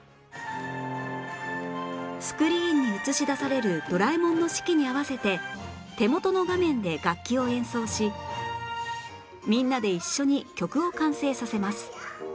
スクリーンに映し出されるドラえもんの指揮に合わせて手元の画面で楽器を演奏しみんなで一緒に曲を完成させます